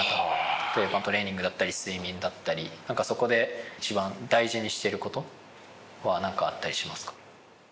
例えばトレーニングだったり睡眠だったりなんかそこで一番大事にしている事はなんかあったりしますか？